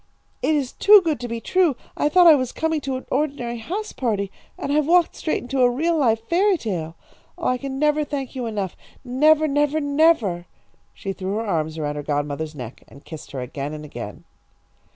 It is too good to be true. I thought I was coming to an ordinary house party, and I've walked straight into a real, live fairy tale! Oh, I can never thank you enough! Never, never, never." She threw her arms around her godmother's neck and kissed her again and again.